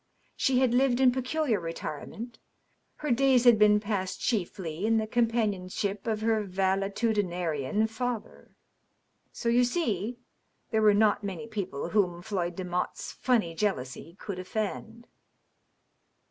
She had lived in peculiar retirement ; her days had been passed chiejBy in the companionship of her valetudinarian father. So, you see, there were not many people whom Floyd Demotte's funny jealousy could offend."